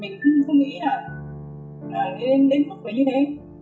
mình cũng không nghĩ là đến mức như thế